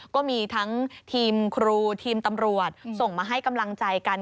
ก็มีทั้งทีมครูทีมตำรวจส่งมาให้กำลังใจกัน